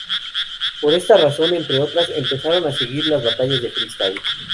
Por esta razón, entre otras, empezaron a surgir las Batallas de Freestyle.